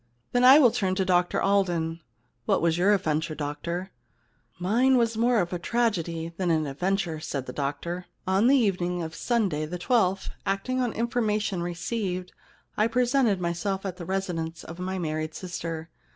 Then I will turn to Dr Alden. What was your adventure, doctor ?Mine was more a tragedy than an adven ture,' said the doctor. * On the evening of Sunday the twelfth, acting on information received, I presented myself at the residence of my married sister.